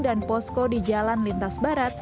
dan posko di jalan lintas barat